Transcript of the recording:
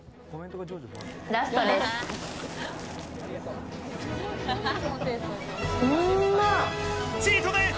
ラストです。